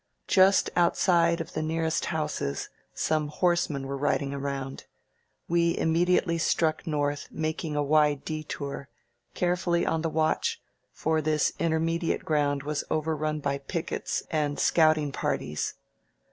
Just outside of the nearest houses some horsemen were riding around; we immediately struck north, making a wide detour, carefully on the watch, for this intermediate ground was overrun by pickets and scouting parties.